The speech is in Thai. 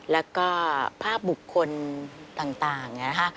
แล้วก็ภาพบุคคลต่างเนี่ยนะคะ